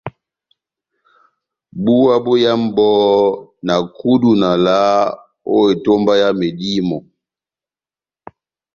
Búwa bóyámu bohó, na kudu na valaha ó etómba yá medímo.